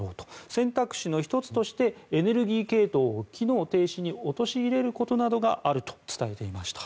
選択肢の１つとしてエネルギー系統を機能停止に陥れることなどがあると伝えていました。